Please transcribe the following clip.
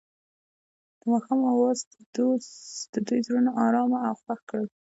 د ماښام اواز د دوی زړونه ارامه او خوښ کړل.